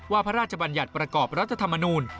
พระราชบัญญัติประกอบรัฐธรรมนูล